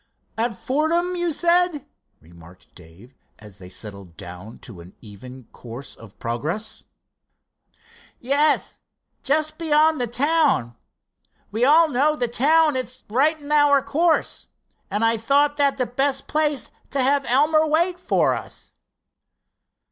"At Fordham, you said," remarked Dave, as they settled down to an even course of progress. "Yes, just beyond the town. We all know the town, it's right in our course—and I thought that the best place to have Elmer wait for us."